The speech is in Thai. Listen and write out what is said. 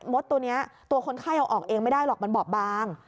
ตัวนี้ตัวคนไข้เอาออกเองไม่ได้หรอกมันบอบบาง